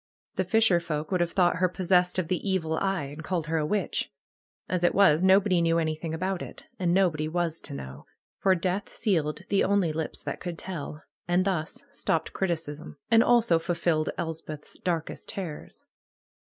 The fisherfolk would have thought her possessed of the evil eye, and called her a witch. As it was, nobody knew anything about it. And nobody was to know. For death sealed the only lips that could tell, and thus stopped criticism, and also fulfilled Elspeth's darkest terrors.